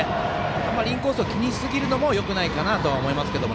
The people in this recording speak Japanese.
あまりインコースを気にしすぎるのもよくないかなと思いますけど。